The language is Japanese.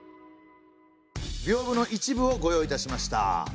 屏風の一部をご用意いたしました。